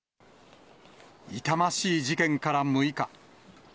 痛ましい事件から６日。